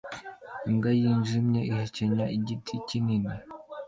imbwa yijimye ihekenya igiti kinini